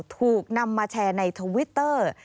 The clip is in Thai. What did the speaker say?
ถูกนำมาแชร์ในทวิตเตอร์